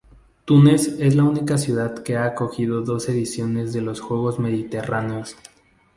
Túnez es la única ciudad que ha acogido dos ediciones de los Juegos Mediterráneos.